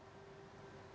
oke terima kasih pak